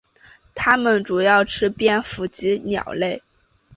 它们主要吃蝙蝠及鸟类。